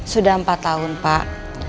sudah empat tahun pak